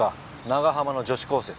長浜の女子高生。